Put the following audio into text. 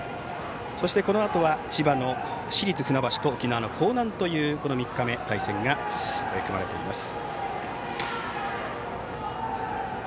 そして、このあとは千葉の市立船橋と沖縄の興南という３日目の対戦が組まれています。